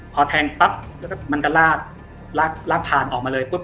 พอแทงปั๊บแล้วก็มันก็ลากลากผ่านออกมาเลยปุ๊บ